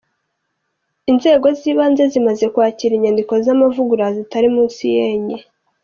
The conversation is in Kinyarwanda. Inzego z’ibanze zimaze kwakira inyandiko z’amavugurura zitari munsi y’enye!.